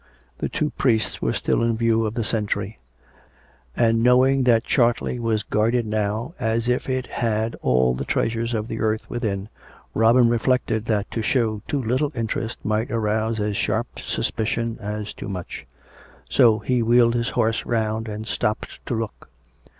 The two priests were still in view of the sentry; and knowing that COME RACK! COME ROPE! 293 Chartley was guarded now as if it had all the treasures of the earth within^ Robin reflected that to show too little interest might arouse as sharp suspicion as too much. So he wheeled his horse round and stopped to look.